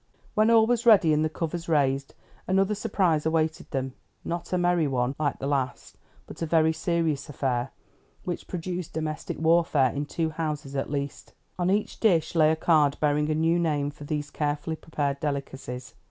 When all was ready, and the covers raised, another surprise awaited them; not a merry one, like the last, but a very serious affair, which produced domestic warfare in two houses at least. On each dish lay a card bearing a new name for these carefully prepared delicacies.